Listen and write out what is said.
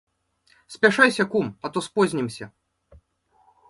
Спяшайся, кум, а то спознімся.